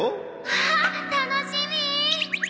わあ楽しみ！